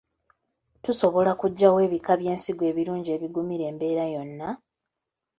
Tusobola kuggyawa ebika by'ensigo ebirungi ebigumira embeera yonna?